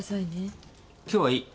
今日はいい。